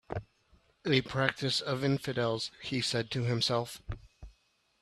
"A practice of infidels," he said to himself.